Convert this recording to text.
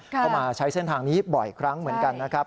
เข้ามาใช้เส้นทางนี้บ่อยครั้งเหมือนกันนะครับ